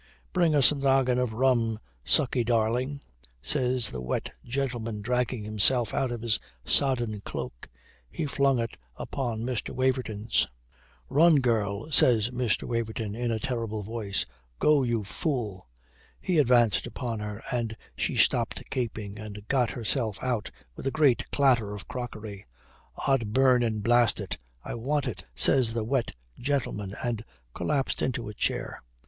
"Bring us a noggin of rum, Sukey, darling," says the wet gentleman, dragging himself out of his sodden cloak. He flung it upon Mr. Waverton's. "Run, girl!" says Mr. Waverton, in a terrible voice. "Go, you fool." He advanced upon her, and she stopped gaping, and got herself out with a great clatter of crockery. "Od burn and blast it! I want it," says the wet gentleman, and collapsed into a chair.